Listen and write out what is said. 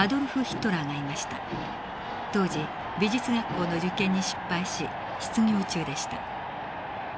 当時美術学校の受験に失敗し失業中でした。